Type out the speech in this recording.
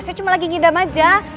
saya cuma lagi ngidam aja